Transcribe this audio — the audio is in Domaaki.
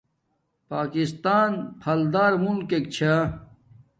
پاکستان پھل دار مولکک چھا